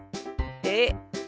えっ？